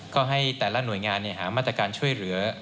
ก็ให้แต่ละหน่วยงานหามาตรการช่วยเหลือ